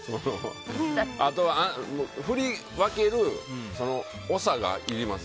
あとは、振り分ける長がいります。